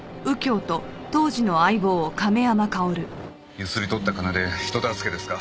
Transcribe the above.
強請り取った金で人助けですか。